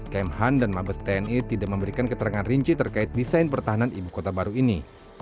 kemhan dan mabes tni tidak memberikan keterangan rinci terkait desain pertahanan ibu kota baru ini